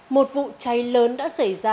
một vụ cháy lớn đã xảy ra